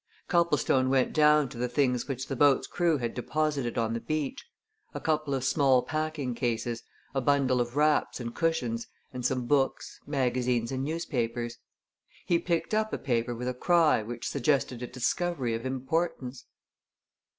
Copplestone went down to the things which the boat's crew had deposited on the beach a couple of small packing cases, a bundle of wraps and cushions, and some books, magazines and newspapers. He picked up a paper with a cry which suggested a discovery of importance.